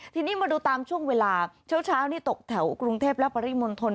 ทีนี้มาดูตามช่วงเวลาเช้านี่ตกแถวกรุงเทพและปริมณฑล